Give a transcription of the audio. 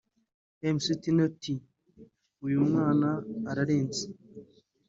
Mc Tino ati “ Uyu mwana ararenze